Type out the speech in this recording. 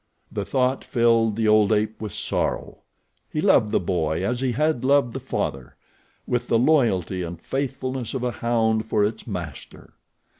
The thought filled the old ape with sorrow. He loved the boy as he had loved the father, with the loyalty and faithfulness of a hound for its master.